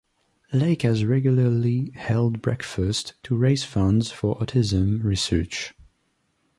Lake has regularly held breakfasts to raise funds for autism research.